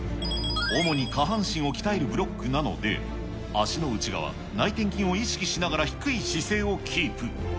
主に下半身を鍛えるブロックなので、足の内側、内転筋を意識しながら、低い姿勢をキープ。